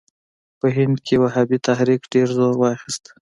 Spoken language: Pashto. په هند کې وهابي تحریک ډېر زور واخیست.